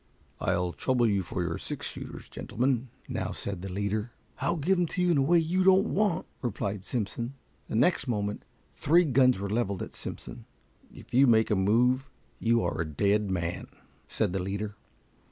"I'll trouble you for your six shooters, gentlemen," now said the leader. "I'll give 'em to you in a way you don't want," replied Simpson. The next moment three guns were leveled at Simpson. "If you make a move you are a dead man," said the leader.